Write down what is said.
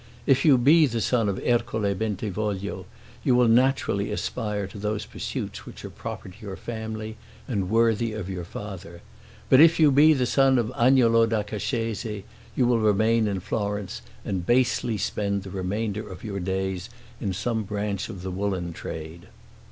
If you be the son of Ercole Bentivoglio, you will naturally aspire to those pursuits which are proper to your family and worthy of your father; but if you be the son of Agnolo da Cascese, you will remain in Florence, and basely spend the remainder of your days in some branch of the woolen trade."